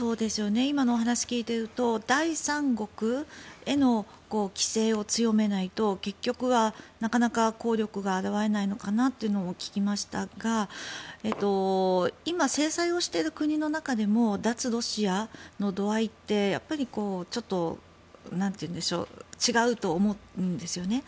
今のお話を聞いていると第三国への規制を強めないと結局は、なかなか効力が現れないのかなと聞きましたが今、制裁をしている国の中でも脱ロシアの度合いって違うと思うんですよね。